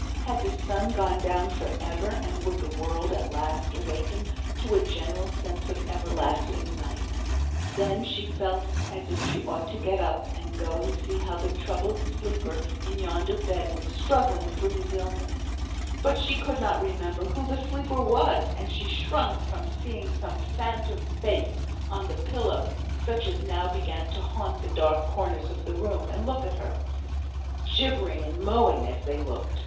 Had the sun gone down for ever, and would the world at last awaken to a general sense of everlasting night? Then she felt as if she ought to get up, and go and see how the troubled sleeper in yonder bed was struggling through his illness; but she could not remember who the sleeper was, and she shrunk from seeing some phantom face on the pillow, such as now began to haunt the dark corners of the room, and look at her, jibbering and mowing as they looked.